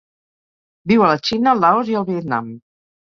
Viu a la Xina, Laos i el Vietnam.